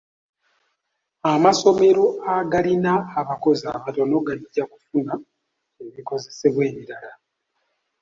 Amassomero agalina abakozi abatono gajja kufuna ebikozesebwa ebirala.